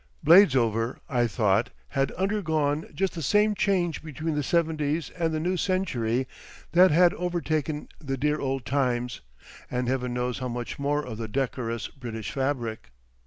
Bladesover, I thought, had undergone just the same change between the seventies and the new century that had overtaken the dear old Times, and heaven knows how much more of the decorous British fabric.